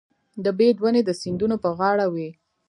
د بید ونې د سیندونو په غاړه وي.